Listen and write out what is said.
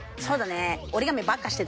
そうだね。